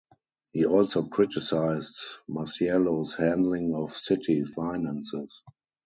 He also criticized Masiello's handling of city finances.